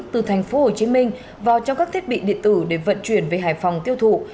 từ tp hcm vào trong các thiết bị điện tử để vận chuyển về hải phòng tiêu thụ